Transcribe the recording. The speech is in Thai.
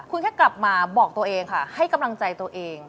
คุณแค่กลับมาบอกตัวเองค่ะให้กำลังใจตัวเอง